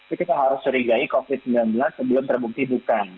itu kita harus curigai covid sembilan belas sebelum terbukti bukan